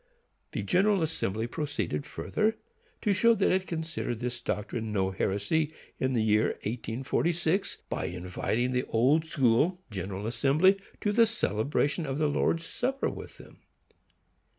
The General Assembly proceeded further to show that it considered this doctrine no heresy, in the year 1846, by inviting the Old School General Assembly to the celebration of the Lord's supper with them.